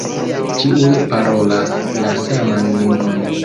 Ĉiuj parolas la saman lingvon.